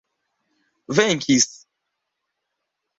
venkis